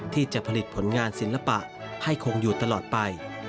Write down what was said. ที่จะผลิตผลงานศิลปะให้คงอยู่ตลอดไป